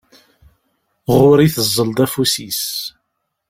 Ɣur-i teẓẓel-d afus-is.